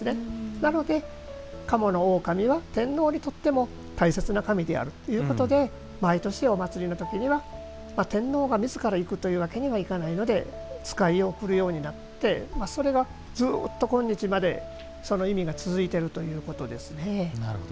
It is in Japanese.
なので、賀茂の大神は天皇にとっても、大切な神であるということで毎年、お祭りの時には天皇がみずから行くというわけにはいかないので使いを送るようになってそれが、ずうっと今日までその意味が続いているなるほど。